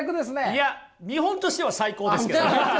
いや見本としては最高ですけどね！